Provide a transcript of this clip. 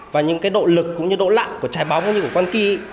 và những cái độ lực cũng như độ lặng của trái bóng cũng như của con kia